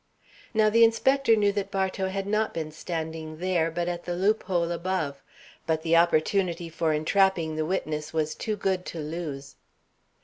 Now the inspector knew that Bartow had not been standing there, but at the loophole above; but the opportunity for entrapping the witness was too good to lose.